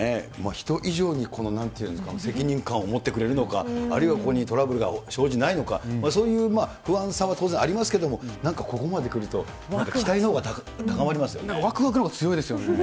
人以上に、責任感を持ってくれるのか、あるいはここにトラブルが生じないのか、そういう不安さは当然ありますけれども、なんかここまでくると、わくわくのほうが強いですよ